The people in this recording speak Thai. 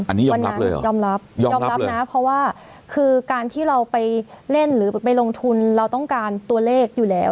อันนี้ยอมรับเลยเหรอยอมรับยอมรับนะเพราะว่าคือการที่เราไปเล่นหรือไปลงทุนเราต้องการตัวเลขอยู่แล้ว